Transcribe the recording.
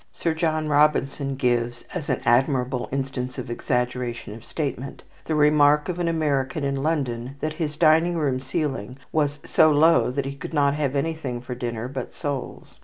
Sir John Robinson gives, as an admirable instance of exaggeration of statement, the remark of an American in London that his dining room ceiling was so low that he could not have anything for dinner but soles.